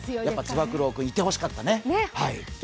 やっぱり、つば九郎君いてほしかったね。